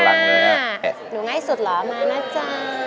หนูไงสุดหรอมานะจ๊ะ